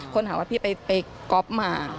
คนหาว่าพี่ไปก็๊อปท์มา